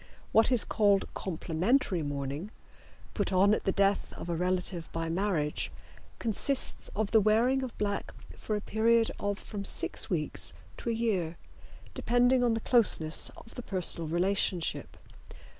What is called complimentary mourning, put on at the death of a relative by marriage, consists of the wearing of black for a period of from six weeks to a year, depending on the closeness of the personal relationship.